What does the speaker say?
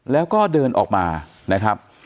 แล้วก็เดินออกมา